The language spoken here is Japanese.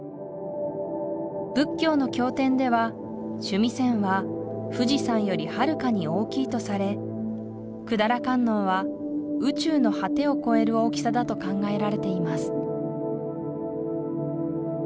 仏教の経典では須弥山は富士山よりはるかに大きいとされ百済観音は宇宙の果てを超える大きさだと考えられています